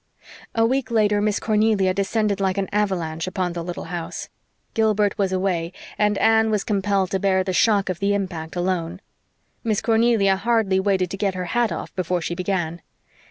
A week later Miss Cornelia descended like an avalanche upon the little house. Gilbert was away and Anne was compelled to bear the shock of the impact alone. Miss Cornelia hardly waited to get her hat off before she began.